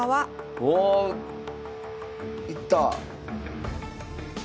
おおいった！